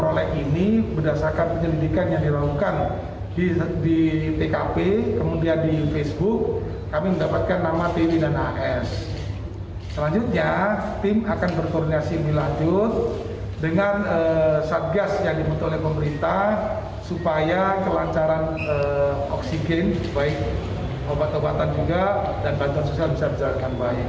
oksigen baik obat obatan juga dan bantuan sosial bisa dijual dengan baik